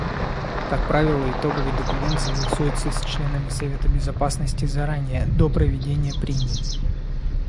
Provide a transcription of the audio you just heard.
Как правило, итоговый документ согласуется с членами Совета Безопасности заранее, до проведения прений.